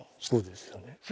そうですよね。